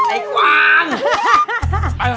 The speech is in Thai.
ไอ้กวาน